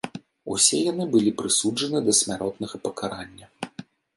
Усе яны былі прысуджаны да смяротнага пакарання.